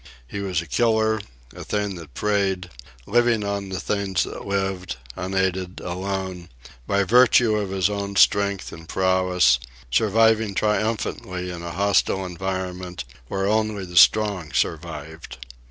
He was a killer, a thing that preyed, living on the things that lived, unaided, alone, by virtue of his own strength and prowess, surviving triumphantly in a hostile environment where only the strong survived.